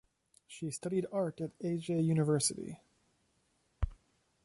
She studied art at Ege University.